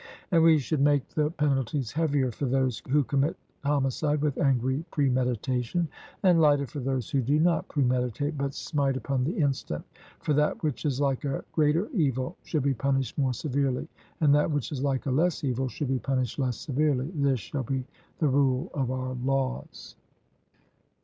And we should make the penalties heavier for those who commit homicide with angry premeditation, and lighter for those who do not premeditate, but smite upon the instant; for that which is like a greater evil should be punished more severely, and that which is like a less evil should be punished less severely: this shall be the rule of our laws.